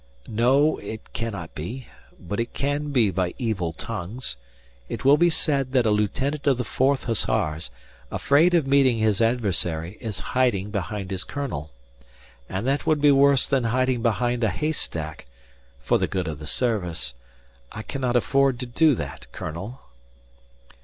"No, it cannot be; but it can be by evil tongues. It will be said that a lieutenant of the Fourth Hussars, afraid of meeting his adversary, is hiding behind his colonel. And that would be worse than hiding behind a haystack for the good of the service. I cannot afford to do that, colonel."